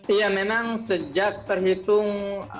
iya memang sejak terhitung